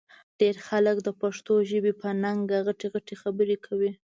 ډېر خلک د پښتو ژبې په ننګه غټې غټې خبرې کوي